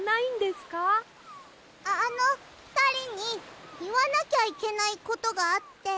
あのふたりにいわなきゃいけないことがあって。